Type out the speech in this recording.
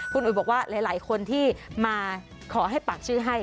คุณอุ๋ยบอกว่าหลายคนที่มาขอให้ปากชื่อให้